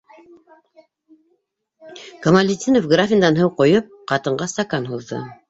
Камалетдинов, графиндан һыу ҡойоп, ҡатынға стакан һуҙҙы: